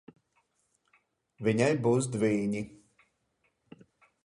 Viņai būs dvīņi.